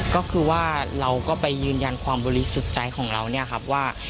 ก็คือว่าเราก็ไปยืนยันความบริสุทธิ์ใจของเราเนี่ยครับว่า